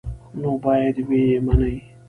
نو باید ویې مني.